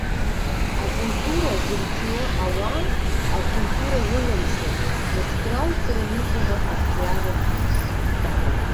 Акультура зырҿио ауаа акультура рыламзар, нас кралҵран иҟоума ҳарҿиаратә ус?